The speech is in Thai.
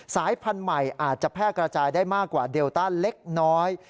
สายพันธุ์ใหม่อาจจะแพร่กระจายได้มากกว่าเดลต้าเล็กน้อย